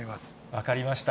分かりました。